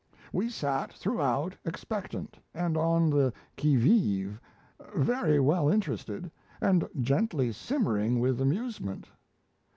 We sat throughout expectant and on the qui vive, very well interested, and gently simmering with amusement.